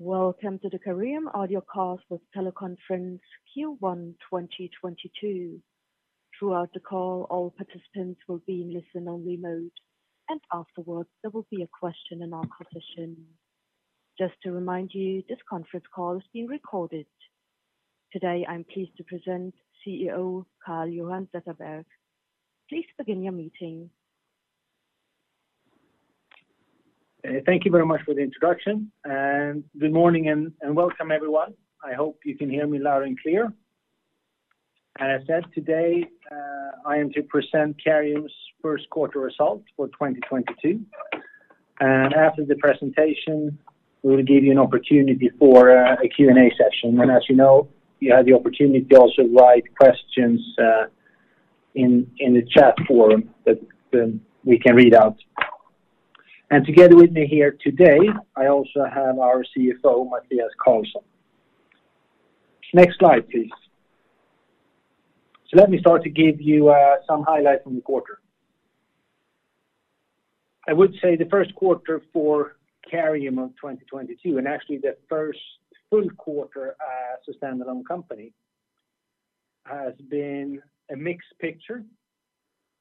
Welcome to the Careium audio cast with teleconference Q1 2022. Throughout the call, all participants will be in listen-only mode, and afterwards there will be a question and answer session. Just to remind you, this conference call is being recorded. Today, I'm pleased to present CEO Carl-Johan Zetterberg Boudrie. Please begin your meeting. Thank you very much for the introduction. Good morning and welcome, everyone. I hope you can hear me loud and clear. As I said, today I am to present Careium's Q1 results for 2022. After the presentation, we will give you an opportunity for a Q&A session. As you know, you have the opportunity to also write questions in the chat forum that then we can read out. Together with me here today, I also have our CFO, Mathias Carlsson. Next slide, please. Let me start to give you some highlights from the quarter. I would say the Q1 for Careium of 2022, and actually the full Q1 as a standalone company, has been a mixed picture.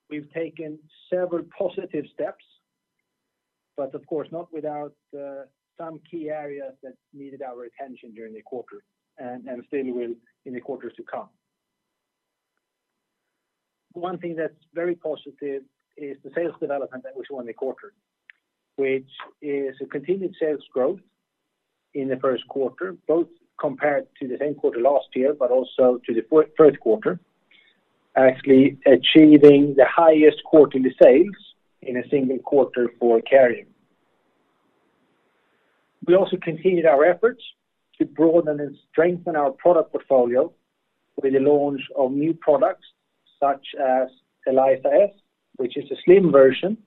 We've taken several positive steps, but of course not without some key areas that needed our attention during the quarter and still will in the quarters to come. One thing that's very positive is the sales development that we saw in the quarter, which is a continued sales growth in the Q1, Both compared to the same quarter last year, but also to the Q3, actually achieving the highest quarterly sales in a single quarter for Careium. We also continued our efforts to broaden and strengthen our product portfolio with the launch of new products such as Eliza S, which is a slim version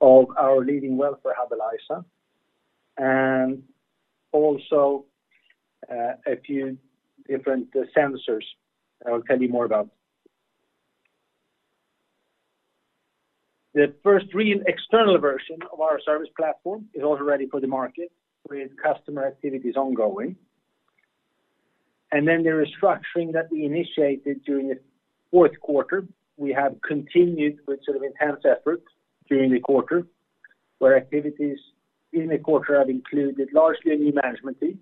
of our leading welfare hub, Eliza, and also a few different sensors that I will tell you more about. The first real external version of our service platform is also ready for the market with customer activities ongoing. The restructuring that we initiated during the Q4, we have continued with sort of enhanced efforts during the quarter, where activities in the quarter have included largely a new management team.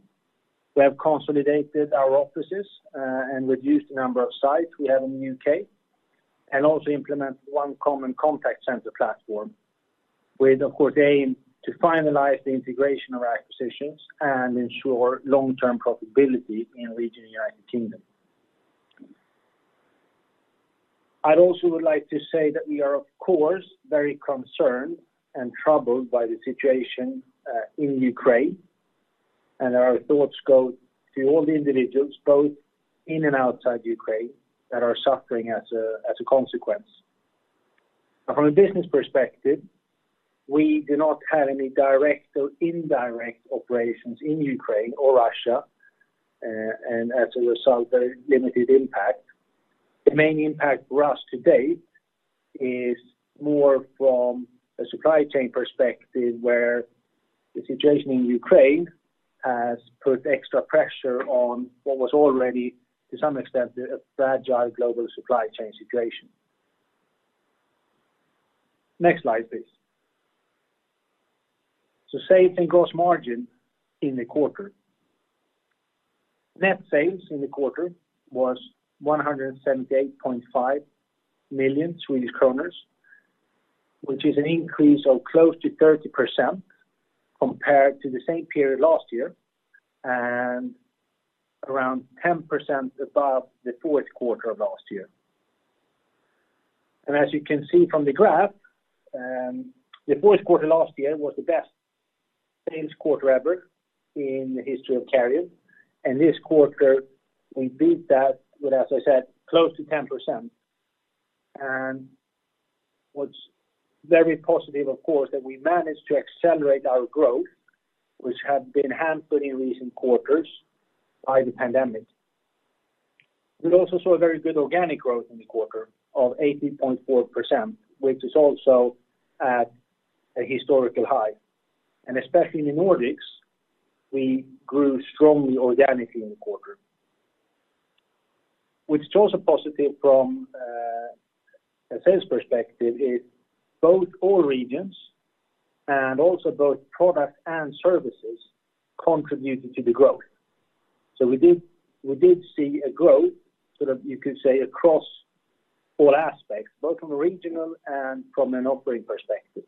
We have consolidated our offices, and reduced the number of sites we have in the UK, and also implement one common contact center platform with, of course, aim to finalize the integration of our acquisitions and ensure long-term profitability in the region of United Kingdom. I'd also would like to say that we are, of course, very concerned and troubled by the situation in Ukraine, and our thoughts go to all the individuals, both in and outside Ukraine, that are suffering as a consequence. From a business perspective, we do not have any direct or indirect operations in Ukraine or Russia, and as a result, a limited impact. The main impact for us to date is more from a supply chain perspective, where the situation in Ukraine has put extra pressure on what was already, to some extent, a fragile global supply chain situation. Next slide, please. Sales and gross margin in the quarter. Net sales in the quarter was 178.5 million Swedish kronor, which is an increase of close to 30% compared to the same period last year and around 10% above the Q4 of last year. As you can see from the graph, the Q4 last year was the best sales quarter ever in the history of Careium. This quarter, we beat that with, as I said, close to 10%. What's very positive, of course, that we managed to accelerate our growth, which had been hampered in recent quarters by the pandemic. We also saw a very good organic growth in the quarter of 80.4%, which is also at a historical high. Especially in the Nordics, we grew strongly organically in the quarter. What's also positive from a sales perspective is both all regions and also both products and services contributed to the growth. We did see a growth, sort of you could say, across all aspects, both from a regional and from an operating perspective.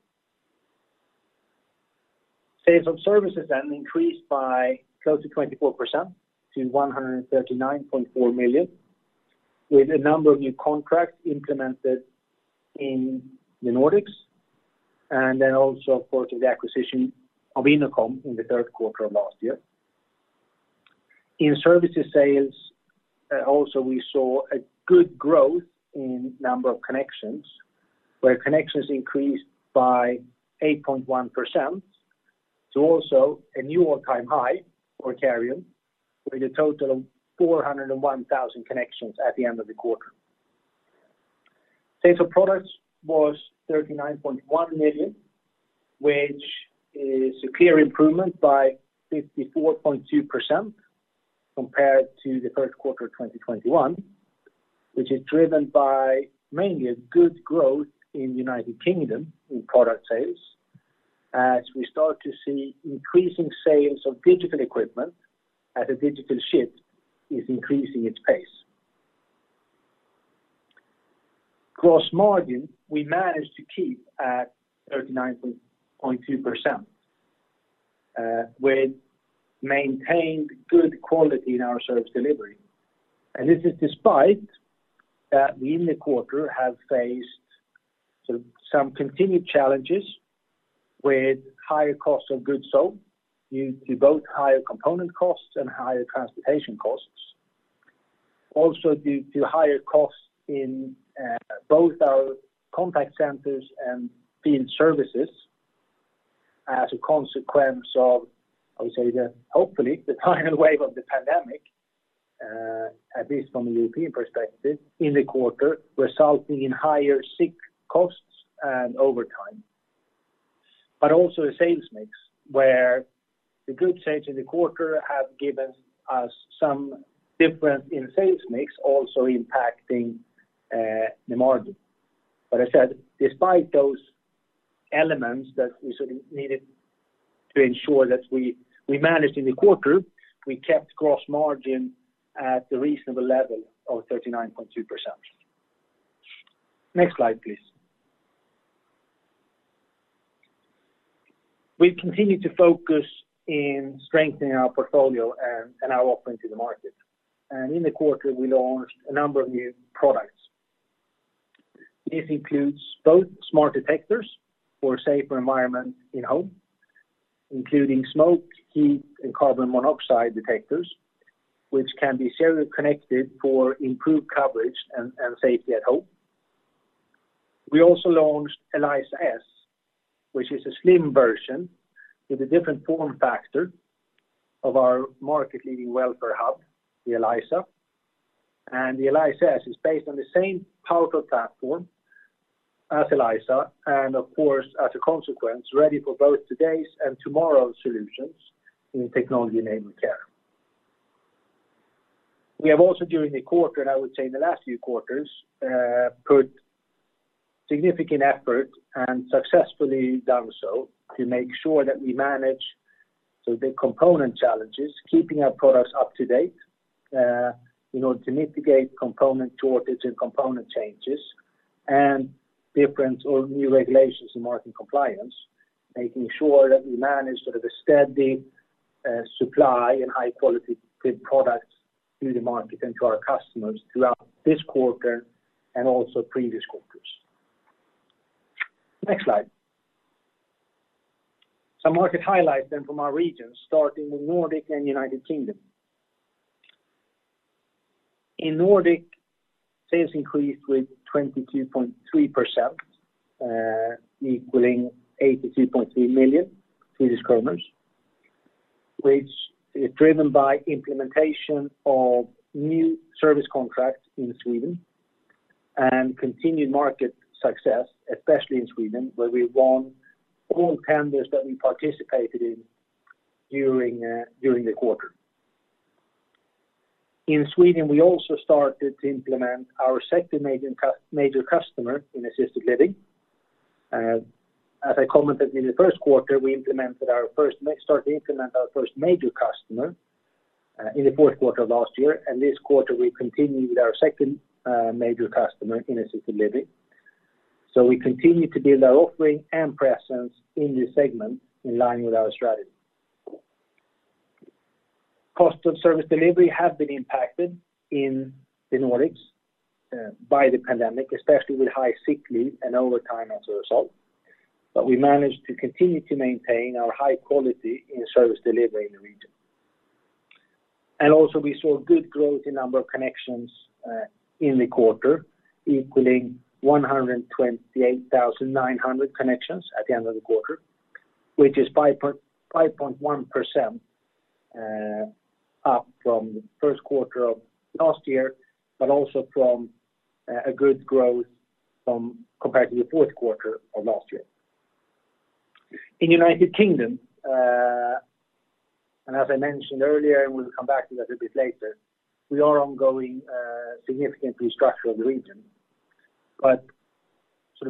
Sales of services increased by close to 24% to 139.4 million, with a number of new contracts implemented in the Nordics and then also, of course, with the acquisition of Innocom in the Q3 of last year. In services sales, also we saw a good growth in number of connections, where connections increased by 8.1% to also a new all time high for Careium, with a total of 401,000 connections at the end of the quarter. Sales of products was 39.1 million, which is a clear improvement by 54.2% compared to the Q1 of 2021, which is driven by mainly a good growth in United Kingdom in product sales, as we start to see increasing sales of digital equipment as a digital shift is increasing its pace. Gross margin, we managed to keep at 39.2%, with maintained good quality in our service delivery. This is despite that we in the quarter have faced some continued challenges with higher costs of goods sold due both higher component costs and higher transportation costs. Also due to higher costs in both our contact centers and field services as a consequence of, I would say, hopefully the final wave of the pandemic, at least from a European perspective in the quarter, resulting in higher sick costs and overtime. Also a sales mix where the good sales in the quarter have given us some difference in sales mix, also impacting the margin. I said despite those elements that we sort of needed to ensure that we managed in the quarter, we kept gross margin at a reasonable level of 39.2%. Next slide, please. We continue to focus on strengthening our portfolio and our offering to the market. In the quarter we launched a number of new products. This includes both smart detectors for safer environment in home, including smoke, heat, and carbon monoxide detectors, which can be serially connected for improved coverage and safety at home. We also launched Eliza S, which is a slim version with a different form factor of our market leading welfare hub, the Eliza. The Eliza S is based on the same powerful platform as Eliza and of course as a consequence, ready for both today's and tomorrow's solutions in technology-enabled care. We have also during the quarter, and I would say in the last few quarters, put significant effort and successfully done so to make sure that we manage those component challenges, keeping our products up to date, in order to mitigate component shortage and component changes and different or new regulations in market compliance, making sure that we manage sort of a steady, supply and high quality products to the market and to our customers throughout this quarter and also previous quarters. Next slide. Some market highlights then from our regions, starting with Nordic and United Kingdom. In Nordic, sales increased with 22.3%, equaling 82.3 million Swedish kronor, which is driven by implementation of new service contracts in Sweden and continued market success, especially in Sweden, where we won all tenders that we participated in during the quarter. In Sweden, we also started to implement our second major customer in assisted living. As I commented in the Q1, we started to implement our first major customer in the Q4 of last year, and this quarter we continued with our second major customer in assisted living. We continue to build our offering and presence in this segment in line with our strategy. Cost of service delivery have been impacted in the Nordics by the pandemic, especially with high sick leave and overtime as a result. We managed to continue to maintain our high quality in service delivery in the region. We saw good growth in number of connections in the quarter, equaling 128,900 connections at the end of the quarter, which is 5.1% up from Q1 of last year, but also a good growth compared to the Q4 of last year. In United Kingdom and as I mentioned earlier, and we'll come back to that a bit later, we are undergoing a significant restructuring of the region. Sort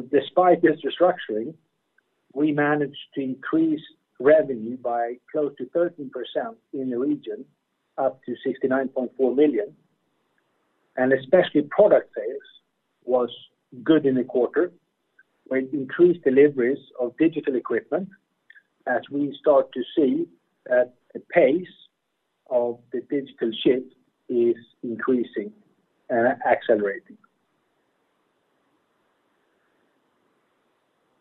of despite this restructuring, we managed to increase revenue by close to 13% in the region, up to 69.4 million. Especially product sales was good in the quarter, with increased deliveries of digital equipment as we start to see that the pace of the digital shift is increasing, accelerating.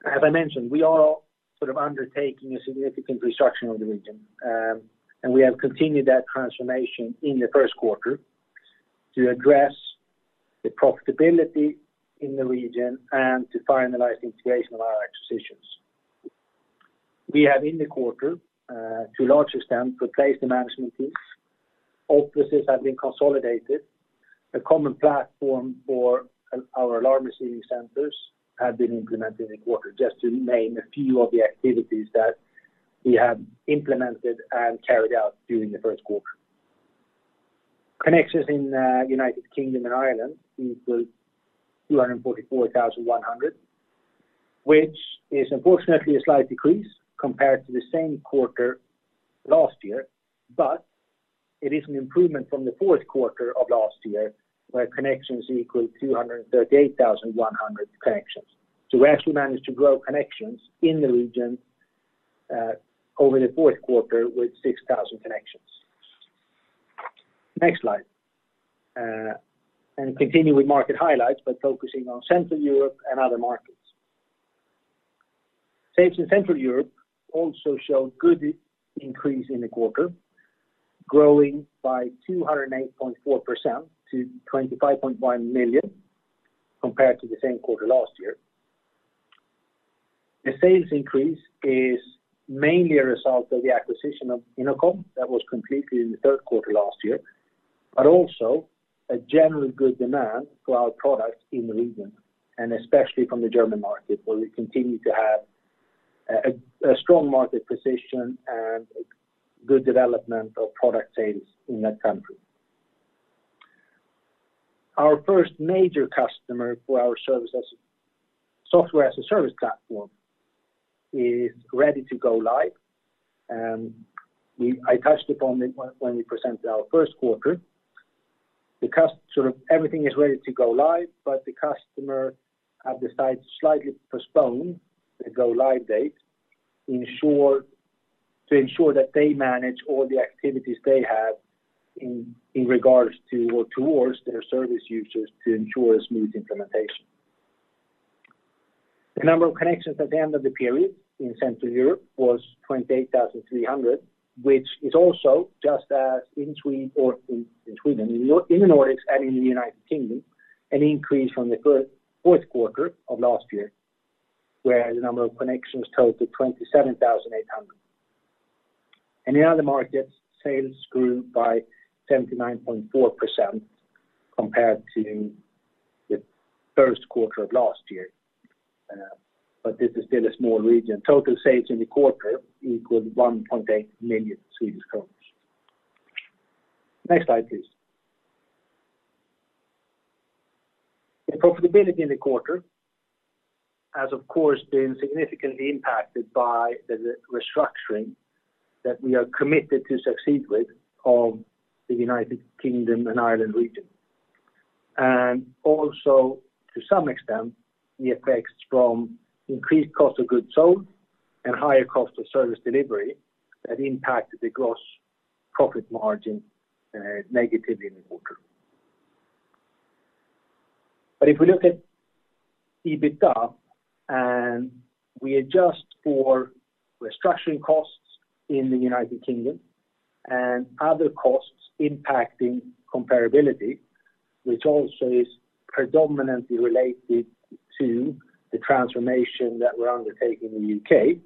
As I mentioned, we are sort of undertaking a significant restructuring of the region, and we have continued that transformation in the Q1 to address the profitability in the region and to finalize the integration of our acquisitions. We have in the quarter, to a large extent, replaced the management teams. Offices have been consolidated. A common platform for our alarm receiving centers have been implemented in quarter, just to name a few of the activities that we have implemented and carried out during the Q1. Connections in United Kingdom and Ireland equal 244,100, which is unfortunately a slight decrease compared to the same quarter last year. It is an improvement from the Q4 of last year, where connections equaled 238,100 connections. We actually managed to grow connections in the region over the Q4 with 6,000 connections. Next slide. Continue with market highlights by focusing on Central Europe and other markets. Sales in Central Europe also showed good increase in the quarter, growing by 208.4% to 25.1 million compared to the same quarter last year. The sales increase is mainly a result of the acquisition of Innocom that was completed in the Q3 last year. Also a general good demand for our products in the region, and especially from the German market, where we continue to have a strong market position and good development of product sales in that country. Our first major customer for our software-as-a-service platform is ready to go live. I touched upon it when we presented our Q1. Sort of everything is ready to go live, but the customer have decided to slightly postpone the go-live date, to ensure that they manage all the activities they have in regards to or towards their service users to ensure a smooth implementation. The number of connections at the end of the period in Central Europe was 28,300, which is also just as in Sweden, in the Nordics and in the United Kingdom, an increase from the Q4 of last year, where the number of connections totaled 27,800. In the other markets, sales grew by 79.4% compared to the Q1 of last year. This is still a small region. Total sales in the quarter equaled 1.8 million Swedish kronor. Next slide, please. The profitability in the quarter has, of course, been significantly impacted by the restructuring that we are committed to succeed with of the United Kingdom and Ireland region. Also, to some extent, the effects from increased cost of goods sold and higher cost of service delivery that impacted the gross profit margin negatively in the quarter. If we look at EBITDA, and we adjust for restructuring costs in the United Kingdom and other costs impacting comparability, which also is predominantly related to the transformation that we're undertaking in the UK,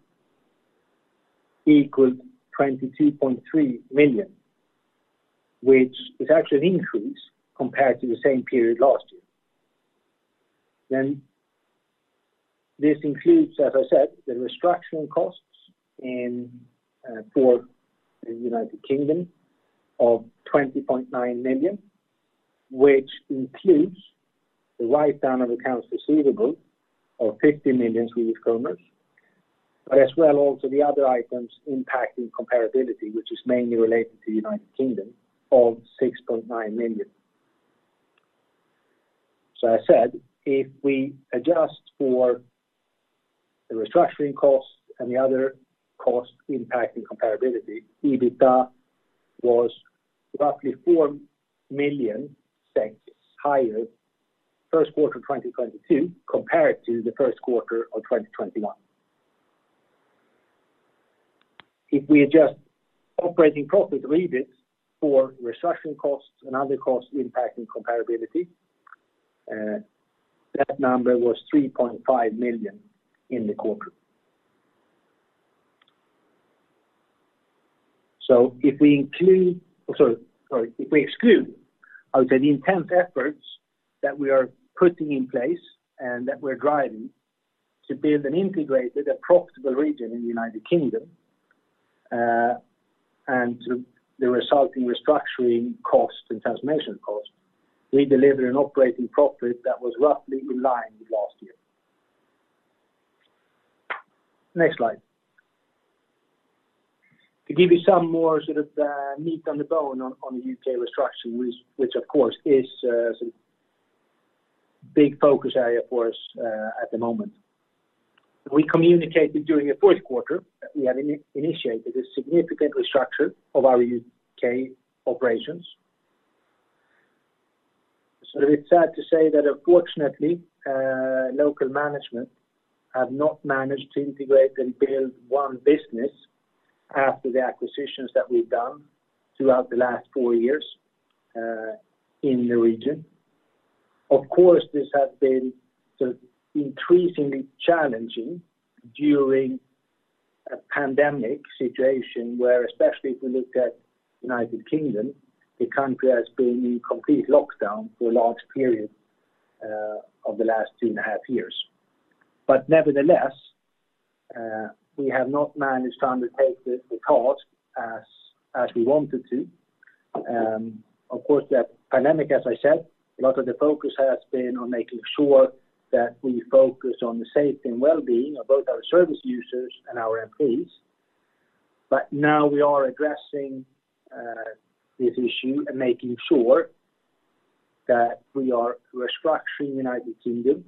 equaled 22.3 million, which is actually an increase compared to the same period last year. This includes, as I said, the restructuring costs in for the United Kingdom of 20.9 million, which includes the write-down of accounts receivable of 50 million Swedish kronor, but as well also the other items impacting comparability, which is mainly related to United Kingdom of 6.9 million. As I said, if we adjust for the restructuring costs and the other costs impacting comparability, EBITDA was roughly SEK 4 million higher Q1 2022 compared to the Q1 of 2021. If we adjust operating profit, or EBIT, for restructuring costs and other costs impacting comparability, that number was 3.5 million in the quarter. If we exclude, I would say, the intense efforts that we are putting in place and that we're driving to build an integrated and profitable region in the United Kingdom, and to the resulting restructuring costs and transformation costs, we delivered an operating profit that was roughly in line with last year. Next slide. To give you some more sort of, meat on the bone on the UK restructuring, which of course is a big focus area for us at the moment. We communicated during the Q4 that we had initiated a significant restructure of our UK operations. It's sad to say that unfortunately, local management have not managed to integrate and build one business after the acquisitions that we've done throughout the last four years, in the region. This has been sort of increasingly challenging during a pandemic situation where especially if we look at United Kingdom, the country has been in complete lockdown for a large period of the last two and a half years. We have not managed to undertake the task as we wanted to. The pandemic, as I said, a lot of the focus has been on making sure that we focus on the safety and wellbeing of both our service users and our employees. Now we are addressing this issue and making sure that we are restructuring United Kingdom.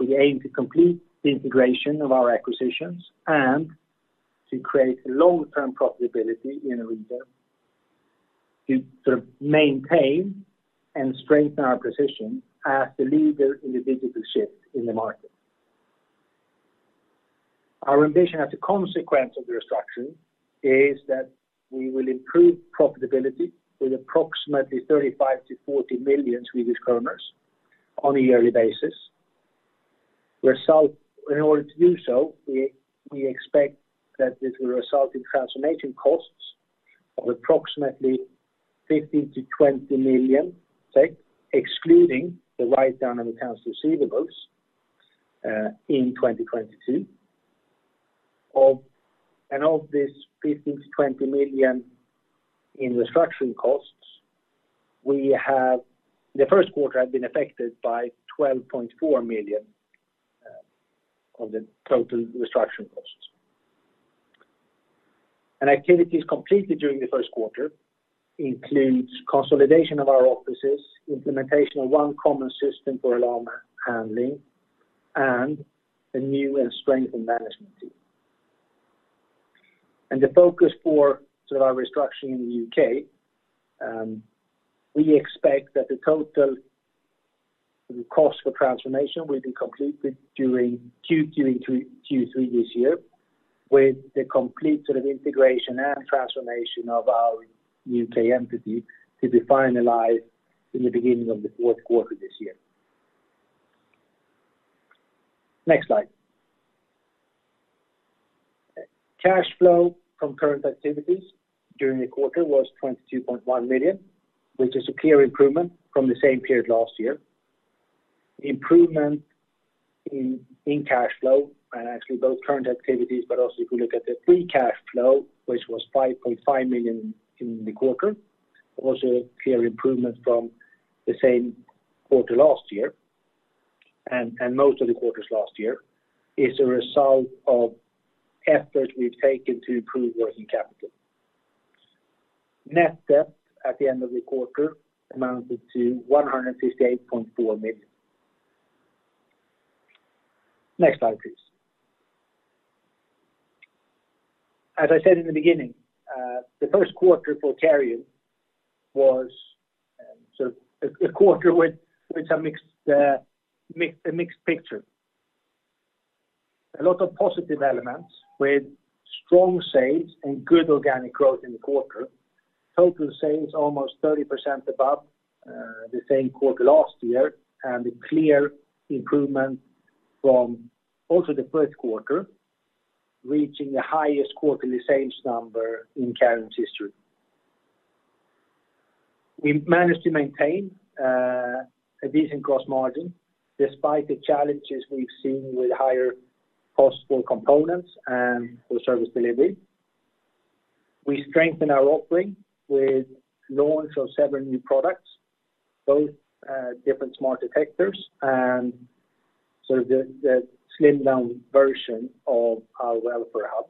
We aim to complete the integration of our acquisitions and to create long-term profitability in the region to sort of maintain and strengthen our position as the leader in the digital shift in the market. Our ambition as a consequence of the restructuring is that we will improve profitability with approximately 35 million to 40 million Swedish kronor on a yearly basis. In order to do so, we expect that this will result in transformation costs of approximately 15 million to 20 million, excluding the write-down of accounts receivables in 2022. Of this 15 million to 20 million in restructuring costs, the Q1 had been affected by 12.4 million of the total restructuring costs. Activities completed during the Q1 includes consolidation of our offices, implementation of one common system for alarm handling, and a new and strengthened management team. The focus for sort of our restructuring in the UK, we expect that the total sort of cost for transformation will be completed during Q3 this year, with the complete sort of integration and transformation of our UK entity to be finalized in the beginning of the Q4 this year. Next slide. Cash flow from current activities during the quarter was 22.1 million, which is a clear improvement from the same period last year. Improvement in cash flow, and actually both current activities, but also if you look at the free cash flow, which was 5.5 million in the quarter, also a clear improvement from the same quarter last year. Most of the quarters last year is a result of efforts we've taken to improve working capital. Net debt at the end of the quarter amounted to 158.4 million. Next slide, please. As I said in the beginning, the Q1 for Careium was sort of a quarter with a mixed picture. A lot of positive elements with strong sales and good organic growth in the quarter. Total sales almost 30% above the same quarter last year, and a clear improvement from also the Q1, reaching the highest quarterly sales number in Careium's history. We've managed to maintain a decent gross margin despite the challenges we've seen with higher costs for components and for service delivery. We strengthen our offering with launch of several new products, both different smart detectors and the slimmed-down version of our welfare hub.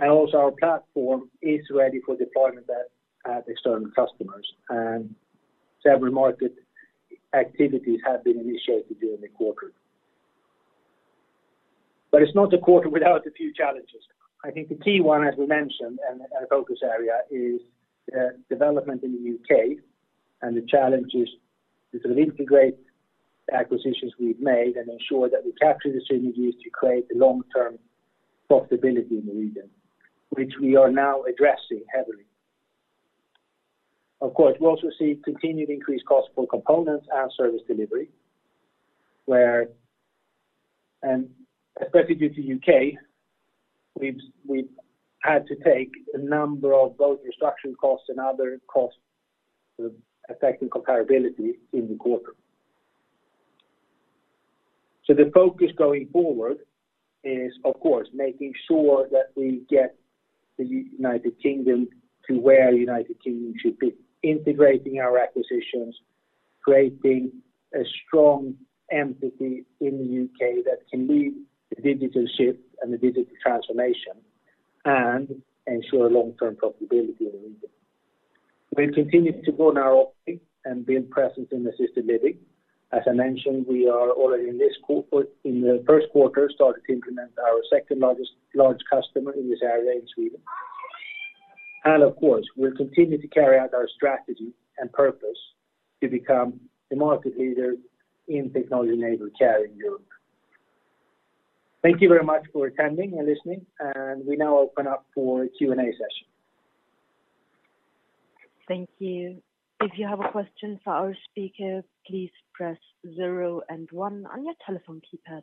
Our platform is ready for deployment at external customers, and several market activities have been initiated during the quarter. It's not a quarter without a few challenges. I think the key one, as we mentioned and our focus area is development in the UK and the challenges to sort of integrate the acquisitions we've made and ensure that we capture the synergies to create the long-term profitability in the region, which we are now addressing heavily. Of course, we also see continued increased costs for components and service delivery, especially due to UK, we've had to take a number of both restructuring costs and other costs sort of affecting comparability in the quarter. The focus going forward is, of course, making sure that we get the United Kingdom to where United Kingdom should be, integrating our acquisitions, creating a strong entity in the UK that can lead the digital shift and the digital transformation and ensure long-term profitability in the region. We'll continue to grow in our offering and be present in assisted living. As I mentioned, we are already in the Q1, started to implement our second largest large customer in this area in Sweden. Of course, we'll continue to carry out our strategy and purpose to become the market leader in technology-enabled care in Europe. Thank you very much for attending and listening. We now open up for Q&A session. Thank you. If you have a question for our speaker, please press zero and one on your telephone keypad.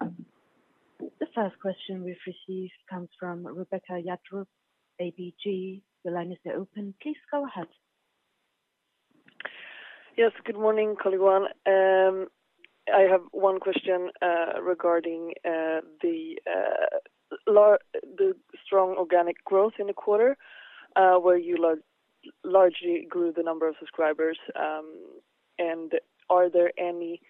The first question we've received comes from Rebecca Jadrup, ABG. The line is now open. Please go ahead. Yes. Good morning, everyone. I have one question regarding the strong organic growth in the quarter, where you largely grew the number of subscribers. Are there any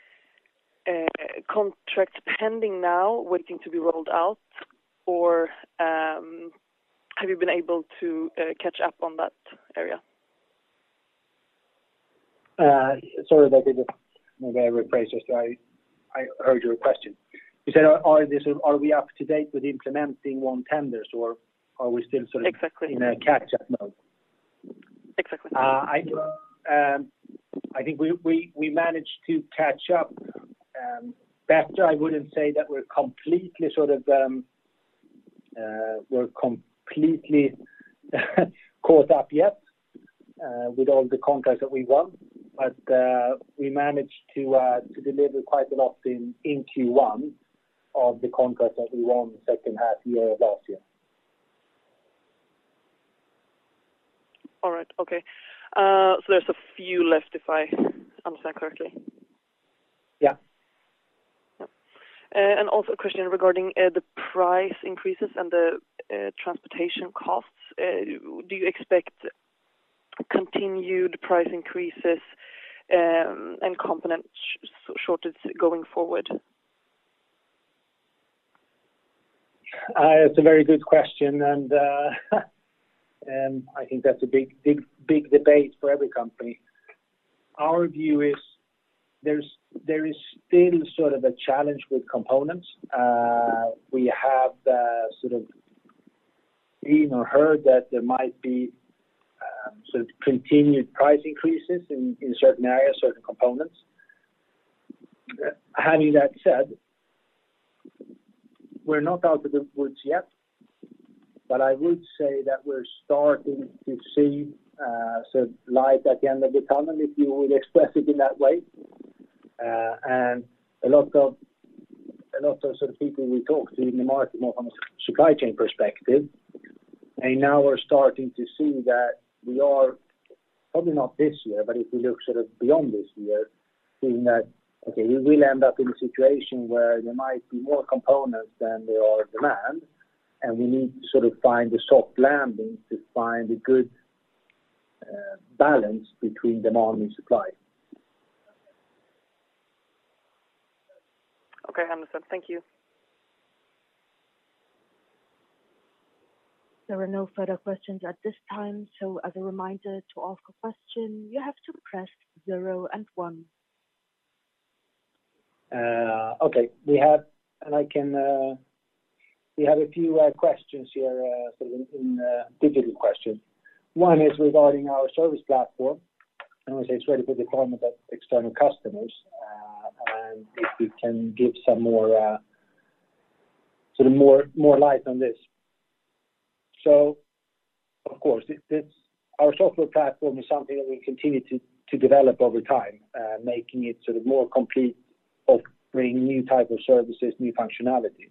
contracts pending now waiting to be rolled out? Or, have you been able to catch up on that area? Sorry about that. Maybe I rephrase just so I heard your question. You said, are we up to date with implementing won tenders or are we still sort of na catch up mode? Exactly. Exactly. I think we managed to catch up better. I wouldn't say that we're completely caught up yet with all the contracts that we won. We managed to deliver quite a lot in Q1 of the contracts that we won the second half year last year. All right. Okay. There's a few left, if I understand correctly. Yeah. Yep. A question regarding the price increases and the transportation costs. Do you expect continued price increases and component shortage going forward? It's a very good question, and I think that's a big debate for every company. Our view is there is still sort of a challenge with components. We have sort of seen or heard that there might be sort of continued price increases in certain areas, certain components. Having that said, we're not out of the woods yet, but I would say that we're starting to see some light at the end of the tunnel, if you would express it in that way. A lot of sort of people we talk to in the market, more from a supply chain perspective, they now are starting to see that we are, probably not this year, but if we look sort of beyond this year, seeing that, okay, we will end up in a situation where there might be more components than there are demand, and we need to sort of find the soft landing to find a good balance between demand and supply. Okay. Understood. Thank you. There are no further questions at this time. As a reminder to ask a question, you have to press zero and one. We have a few questions here, sort of in digital questions. One is regarding our service platform, and I would say it's ready for deployment of external customers, and if we can give some more, sort of more light on this. Of course, it's our software platform is something that we continue to develop over time, making it sort of more complete, offering new type of services, new functionality.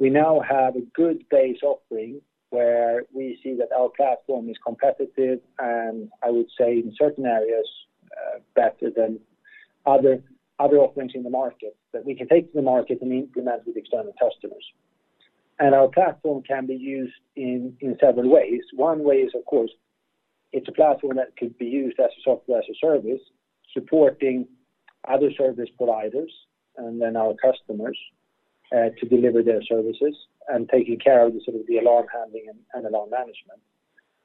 We now have a good base offering where we see that our platform is competitive, and I would say in certain areas, better than other offerings in the market that we can take to the market and implement with external customers. Our platform can be used in several ways. One way is, of course, it's a platform that could be used as a software as a service, supporting other service providers and then our customers to deliver their services and taking care of the sort of the alarm handling and alarm management.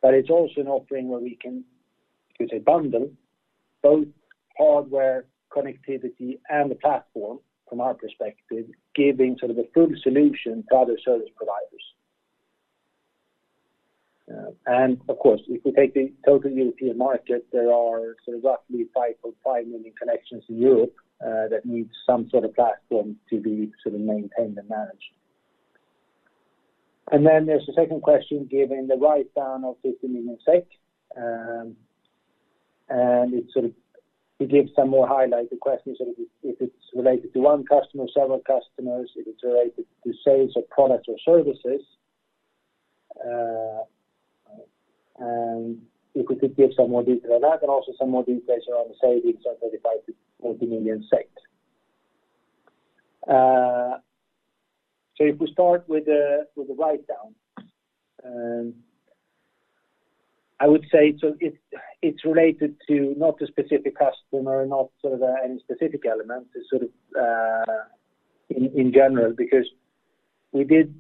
But it's also an offering where we can, you say, bundle both hardware, connectivity and the platform from our perspective, giving sort of a full solution to other service providers. And of course, if we take the total European market, there are sort of roughly 5.5 million connections in Europe that need some sort of platform to be sort of maintained and managed. Then there's a second question, given the write-down of 50 million SEK. It sort of gives some more highlight. The question is sort of if it's related to one customer, several customers, if it's related to sales of products or services. And if we could give some more detail on that and also some more details around the savings of 35 million-40 million. If we start with the write down, I would say it's related to not a specific customer, not sort of any specific element. It's sort of in general, because we did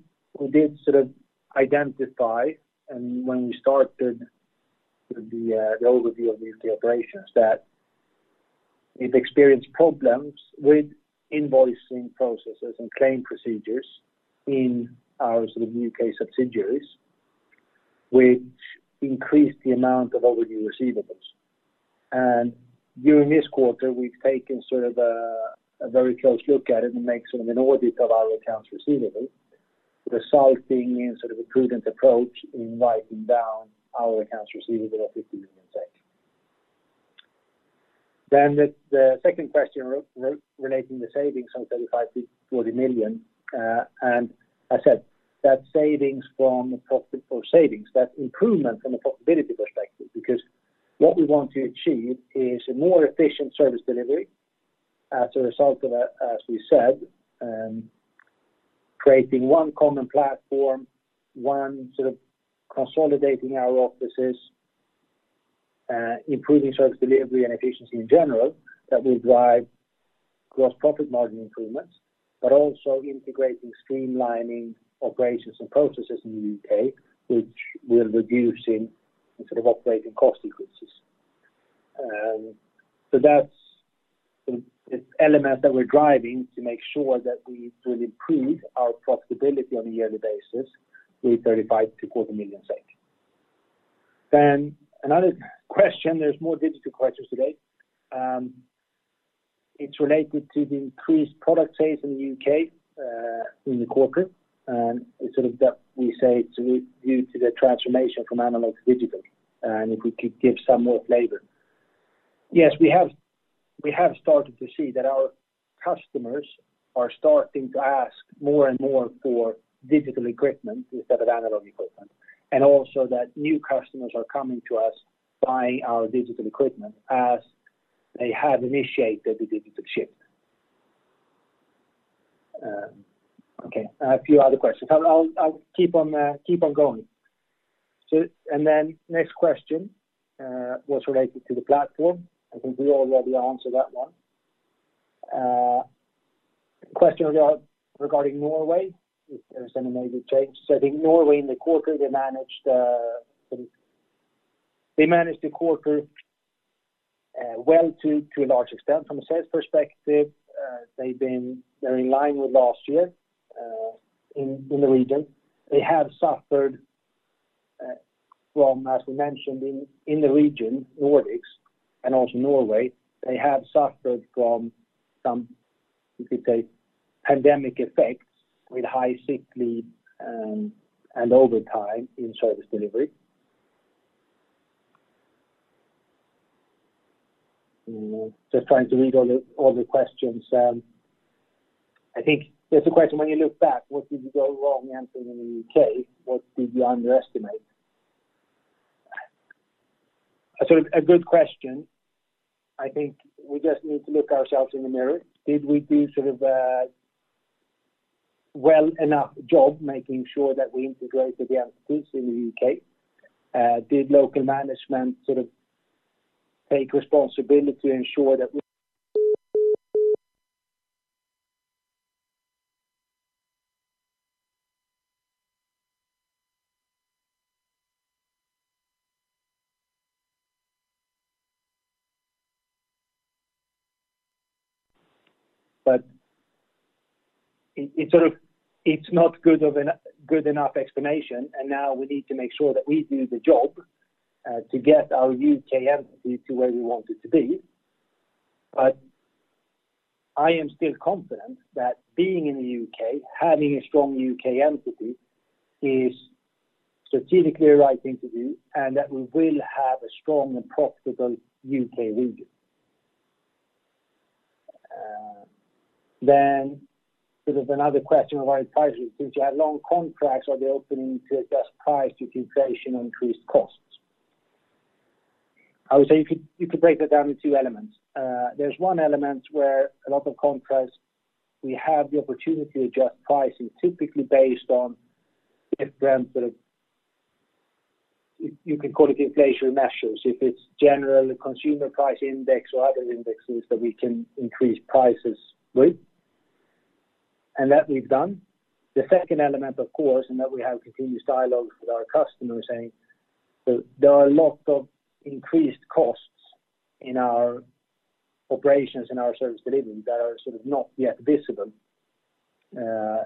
sort of identify and when we started the overview of these operations, that we've experienced problems with invoicing processes and claim procedures in our sort of UK subsidiaries. We increased the amount of overdue receivables. During this quarter, we've taken sort of a very close look at it and make sort of an audit of our accounts receivable, resulting in sort of a prudent approach in writing down our accounts receivable of 50 million. The second question relating the savings from 35 million to 40 million, and I said that's savings from profit or savings. That's improvement from a profitability perspective. Because what we want to achieve is a more efficient service delivery as a result of that, as we said, creating one common platform, one sort of consolidating our offices, improving service delivery and efficiency in general that will drive gross profit margin improvements, but also integrating streamlining operations and processes in the UK, which we're reducing in sort of operating cost increases. That's elements that we're driving to make sure that we will improve our profitability on a yearly basis with 35 million to 40 million. Another question, there are more digital questions today. It's related to the increased product sales in the UK, in the corporate, and it's sort of that we say it's due to the transformation from analog to digital, and if we could give some more flavor. Yes, we have started to see that our customers are starting to ask more and more for digital equipment instead of analog equipment, and also that new customers are coming to us buying our digital equipment as they have initiated the digital shift. Okay, a few other questions. I'll keep on going. Next question was related to the platform. I think we already answered that one. Question regarding Norway, if there's any major change. I think Norway in the quarter, they managed the quarter well to a large extent. From a sales perspective, they've been very in line with last year in the region. They have suffered from, as we mentioned in the region, Nordics and also Norway, some you could say pandemic effects with high sick leave and overtime in service delivery. Just trying to read all the questions. I think there's a question, when you look back, what did you go wrong answering in the UK? What did you underestimate? A sort of a good question. I think we just need to look ourselves in the mirror. Did we do sort of a well enough job making sure that we integrated the entities in the UK? It sort of is not good enough explanation, and now we need to make sure that we do the job to get our UK entity to where we want it to be. I am still confident that being in the UK, having a strong UK entity is strategically the right thing to do, and that we will have a strong and profitable UK region. Sort of another question, why prices? Since you have long contracts, are they open to adjust prices to inflation, increased costs? I would say you could break that down in two elements. There's one element where a lot of contracts, we have the opportunity to adjust pricing typically based on different sort of you could call it inflationary measures. If it's general consumer price index or other indexes that we can increase prices with, and that we've done. The second element, of course, that we have continuous dialogues with our customers saying there are a lot of increased costs in our operations and our service delivery that are sort of not yet visible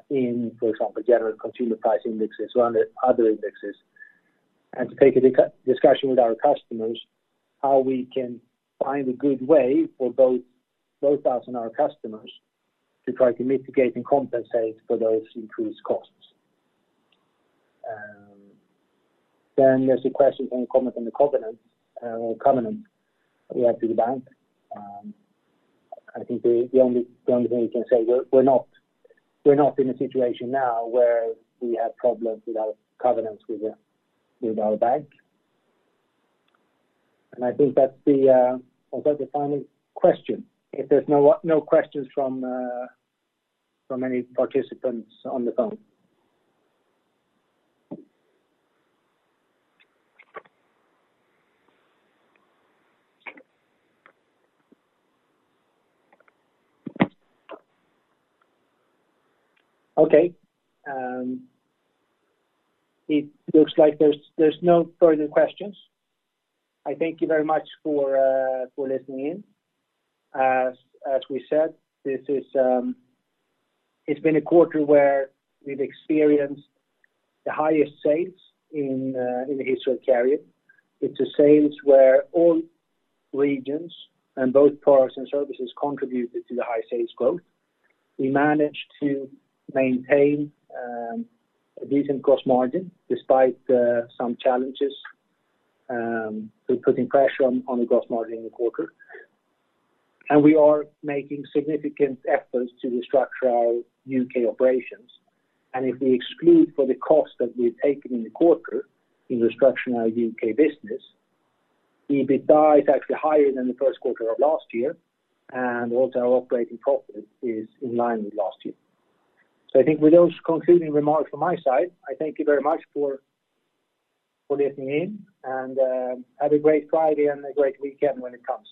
in, for example, general consumer price indexes or other indexes. To take a discussion with our customers how we can find a good way for both us and our customers to try to mitigate and compensate for those increased costs. Then there's a question from the comment on the covenant or covenant we have with the bank. I think the only thing we can say, we're not in a situation now where we have problems with our covenants with our bank. I think that's, or was that the final question? If there's no questions from any participants on the phone. Okay. It looks like there's no further questions. I thank you very much for listening in. As we said, this is, it's been a quarter where we've experienced the highest sales in the history of Careium. It's a sales where all regions and both products and services contributed to the high sales growth. We managed to maintain a decent gross margin despite some challenges, so putting pressure on the gross margin in the quarter. We are making significant efforts to restructure our UK operations. If we exclude the cost that we've taken in the quarter in restructuring our UK business, the EBITDA is actually higher than the Q1 of last year, and also our operating profit is in line with last year. I think with those concluding remarks from my side, I thank you very much for listening in and have a great Friday and a great weekend when it comes.